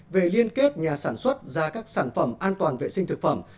về liên kết nhà sản xuất ra các sản phẩm an toàn vệ sinh thực phẩm